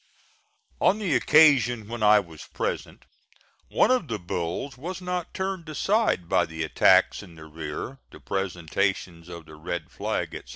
On the occasion when I was present one of the bulls was not turned aside by the attacks in the rear, the presentations of the red flag, etc.